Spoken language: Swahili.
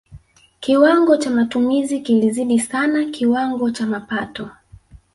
kiwango cha matumizi kilizidi sana kiwango cha mapato